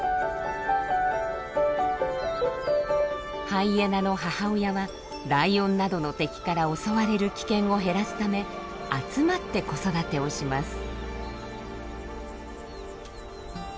ハイエナの母親はライオンなどの敵から襲われる危険を減らすため集まって子育てをします。